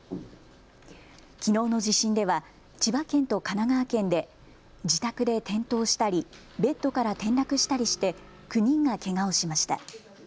きのうの地震では千葉県と神奈川県で自宅で転倒したりベッドから転落したりして９人がけがをしました。